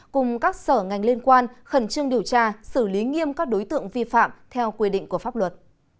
cùng các sở ngành liên quan khẩn trương điều tra xử lý nghiêm các đối tượng vi phạm theo quy định của pháp luật